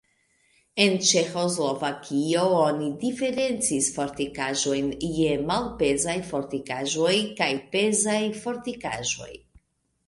En Ĉeĥoslovakio oni diferencis fortikaĵojn je malpezaj fortikaĵoj kaj pezaj fortikaĵoj.